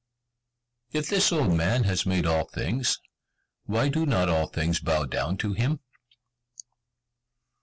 "If this old man has made all things, why do not all things bow down to him?"